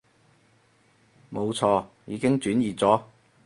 冇錯，已經轉移咗